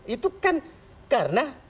itu kan karena